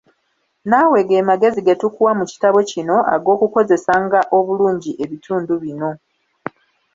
Naawe ge magezi ge tukuwa mu kitabo kino ag'okukozesanga obulungi ebitundu bino.